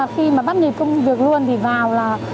khi mà bắt nhịp công việc luôn thì vào là